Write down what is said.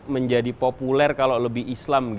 menjadi populer kalau lebih islam